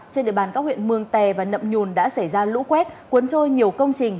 trên địa bàn các huyện mường tè và nậm nhùn đã xảy ra lũ quét cuốn trôi nhiều công trình